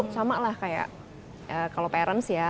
sama lah kayak kalau parents ya